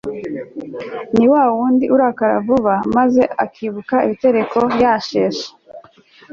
ni wa wundi urakara vuba (irascible) maze akibuka ibitereko yasheshe